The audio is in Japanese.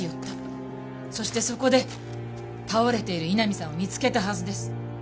そしてそこで倒れている井波さんを見つけたはずです。